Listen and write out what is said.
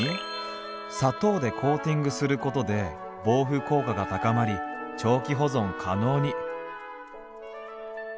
「砂糖でコーティングすることで防腐効果が高まり長期保存可能に」。